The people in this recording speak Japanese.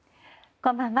こんばんは。